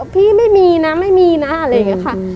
พี่ไม่มีนะไม่มีนะอะไรอย่างนี้ค่ะ